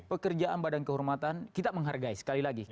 pekerjaan badan kehormatan kita menghargai sekali lagi